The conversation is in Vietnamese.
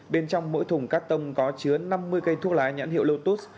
bên trong mỗi thùng cắt tông có chứa năm mươi cây thuốc lá nhãn hiệu lotus